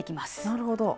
なるほど。